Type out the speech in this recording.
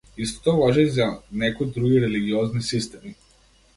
Истото важи и за некои други религиозни системи.